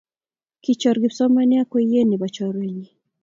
Kichor kipsomanian kweye ne bo chorwenyii